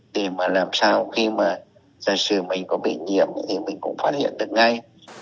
để mà làm sao khi mà giả sử mình có bị nhiễm thì mình cũng phát hiện được ngay